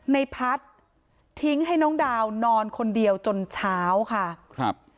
ในพัฒน์ทิ้งให้น้องดาวนอนคนเดียวจนเช้าค่ะครับ